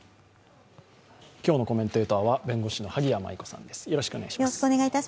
今日のコメンテーターは弁護士の萩谷麻衣子さんです。